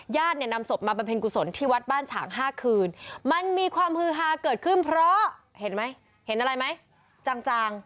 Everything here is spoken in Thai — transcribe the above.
ญาติเนี่ยนำศพมาบำเพ็ญกุศลที่วัดบ้านฉาง๕คืนมันมีความฮือฮาเกิดขึ้นเพราะเห็นไหมเห็นอะไรไหมจาง